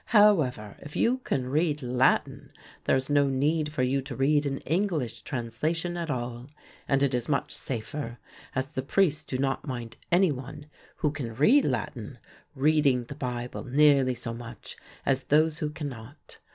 However, if you can read Latin, there is no need for you to read an English translation at all, and it is much safer; as the priests do not mind any one, who can read Latin, reading the Bible nearly so much as those who cannot.